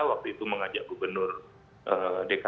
waktu itu mengajak gubernur dki jakarta